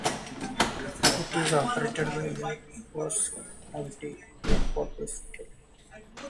It is operated by the Coos County Airport District.